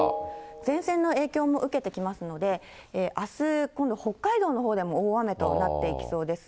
前線の影響も受けてきますので、あす、今度、北海道のほうでも大雨となっていきそうです。